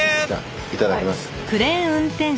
いただきます。